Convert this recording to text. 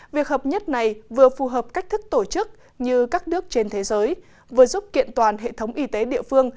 việc hợp nhất này vừa phù hợp cách thức tổ chức như các nước trên thế giới vừa giúp kiện toàn hệ thống y tế địa phương